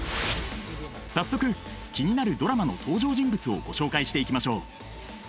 早速気になるドラマの登場人物をご紹介していきましょう！